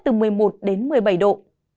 từ một mươi một đến một mươi bảy độ